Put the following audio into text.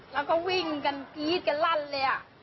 แล้วก็วิ่งกันกรี๊ดกันลั่นเลย